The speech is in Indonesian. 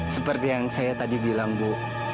seperti yang saya tadi bilang bu